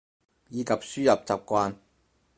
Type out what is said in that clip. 以及輸入習慣